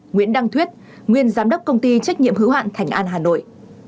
nguyễn đăng thuyết nguyên giám đốc công ty trách nhiệm hữu hạn thành an hà nội